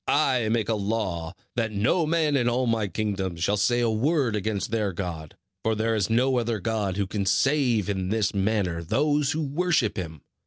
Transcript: I make a law that no man in all my kingdoms shall say a word against their God, for there is no other god who can save in this manner those who worship him.